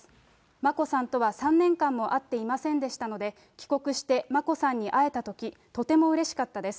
眞子さんとは３年間も会っていませんでしたので、帰国して、眞子さんに会えたとき、とてもうれしかったです。